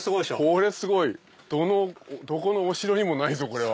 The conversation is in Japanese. これすごいどこのお城にもないぞこれは。